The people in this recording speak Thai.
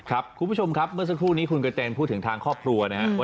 คุณผู้ชมครับเมื่อสักครู่นี้คุณกระเจนพูดถึงทางครอบครัวนะครับ